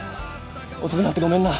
遅くなってごめんな。